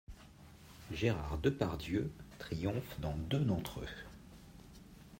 Gérard Depardieu triomphe dans deux d'entre eux.